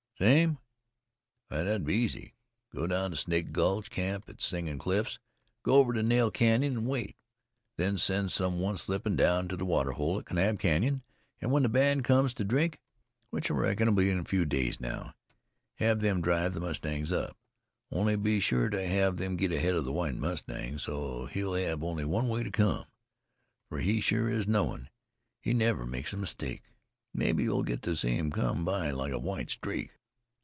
"See him? Why, thet'd be easy. Go down Snake Gulch, camp at Singin' Cliffs, go over into Nail Canyon, an' wait. Then send some one slippin' down to the water hole at Kanab Canyon, an' when the band cums in to drink which I reckon will be in a few days now hev them drive the mustangs up. Only be sure to hev them get ahead of the White Mustang, so he'll hev only one way to cum, fer he sure is knowin'. He never makes a mistake. Mebbe you'll get to see him cum by like a white streak.